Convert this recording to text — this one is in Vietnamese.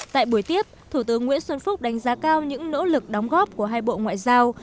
tại buổi tiếp thủ tướng nguyễn xuân phúc đánh giá cao những nỗ lực đóng góp của hai bộ ngoại giao